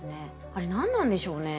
あれ何なんでしょうね？